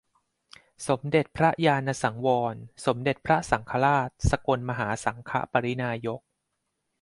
สมเด็จพระญาณสังวร สมเด็จพระสังฆราช สกลมหาสังฆปริณานายก